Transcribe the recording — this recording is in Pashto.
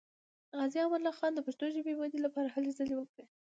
غازي امان الله خان د پښتو ژبې ودې لپاره هلې ځلې وکړې.